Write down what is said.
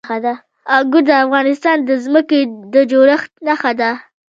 انګور د افغانستان د ځمکې د جوړښت نښه ده.